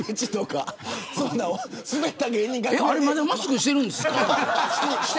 まだマスクしてるんですかって。